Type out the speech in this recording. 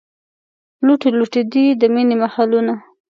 لوټې لوټې دي، د مینې محلونه